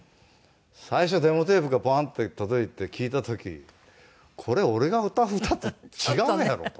最初デモテープがバンッて届いて聴いた時「これ俺が歌う歌と違うやろ」と。